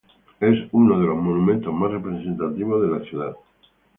Es uno de los monumentos más representativos de la ciudad.